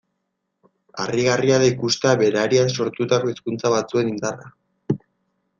Harrigarria da ikustea berariaz sortutako hizkuntza batzuen indarra.